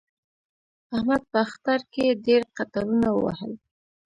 احمد په اختر کې ډېر قطارونه ووهل.